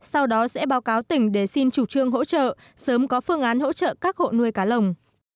sau đó sẽ báo cáo tỉnh để xin chủ trương hỗ trợ sớm có phương án hỗ trợ các hộ nuôi cá lồng